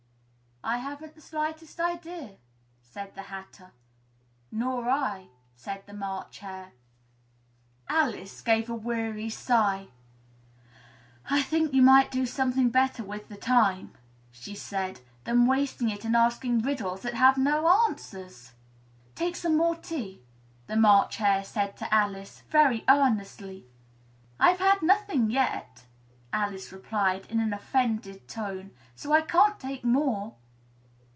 "I haven't the slightest idea," said the Hatter. "Nor I," said the March Hare. Alice gave a weary sigh. "I think you might do something better with the time," she said, "than wasting it in asking riddles that have no answers." "Take some more tea," the March Hare said to Alice, very earnestly. "I've had nothing yet," Alice replied in an offended tone, "so I can't take more."